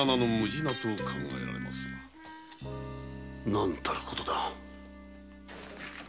何たることだ。